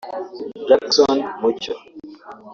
Jackson Mucyo